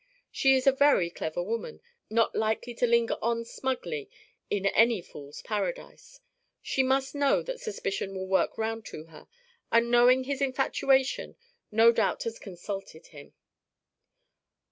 She is a very clever woman, not likely to linger on smugly in any fool's paradise. She must know that suspicion will work round to her, and knowing his infatuation, no doubt has consulted him."